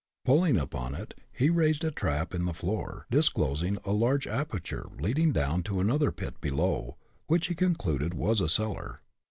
Pulling upon it, he raised a trap in the floor, disclosing a large aperture leading down into another pit below, which he concluded was a cellar.